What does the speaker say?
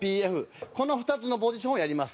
この２つのポジションをやります。